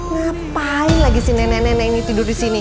ngapain lagi si nenek nenek ini tidur disini